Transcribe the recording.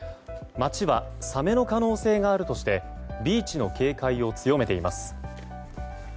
町はサメの可能性があるとしてビーチの警戒を強めています。